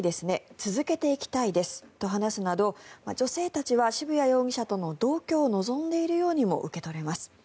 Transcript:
続けていきたいですと話すなど女性たちは渋谷容疑者との同居を望んでいるようにも受け取れます。